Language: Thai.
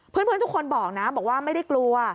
เพื่อนทุกคนบอกนะบอกว่าไม่ได้กลัว